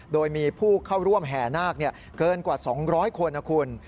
โดยมีผู้เข้าร่วมแห่นาคเกินกว่า๒๐๐คนนะคุณ